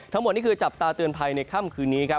ทั้งหมดนี่คือจับตาเตือนภัยในค่ำคืนนี้ครับ